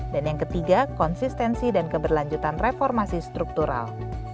dan yang ketiga konsistensi dan keberlanjutan reformasi struktural